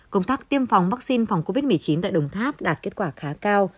công tác tiêm phòng vaccine phòng covid một mươi chín tại đồng tháp đạt kết quả khá cao